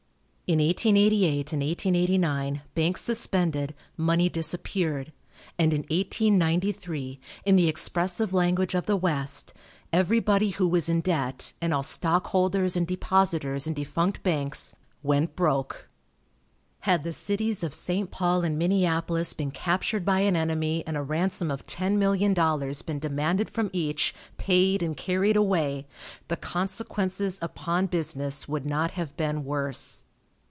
In 1888 and 1889 banks suspended, money disappeared, and in 1893, in the expressive language of the West, everybody who was in debt, and all stockholders and depositors in defunct banks "went broke." Had the cities of St. Paul and Minneapolis been captured by an enemy and a ransom of ten million dollars been demanded from each, paid and carried away, the consequences upon business would not have been worse.